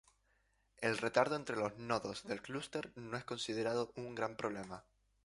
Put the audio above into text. El retardo entre los nodos del clúster no es considerado un gran problema.